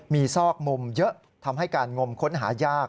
มีซอกมุมเยอะทำให้การงมค้นหายาก